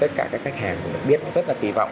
tất cả các khách hàng biết rất là kỳ vọng